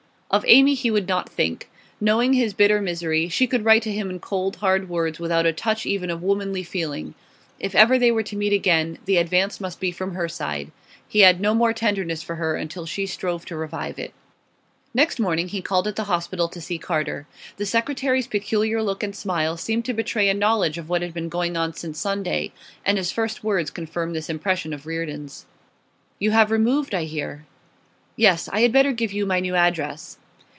Of Amy he would not think. Knowing his bitter misery, she could write to him in cold, hard words, without a touch even of womanly feeling. If ever they were to meet again, the advance must be from her side. He had no more tenderness for her until she strove to revive it. Next morning he called at the hospital to see Carter. The secretary's peculiar look and smile seemed to betray a knowledge of what had been going on since Sunday, and his first words confirmed this impression of Reardon's. 'You have removed, I hear?' 'Yes; I had better give you my new address.